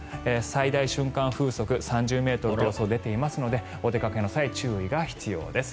最大瞬間風速３０ｍと予想が出ていますのでお出かけの際、注意が必要です。